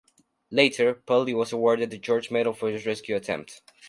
Later, Purley was awarded the George Medal for his rescue attempt.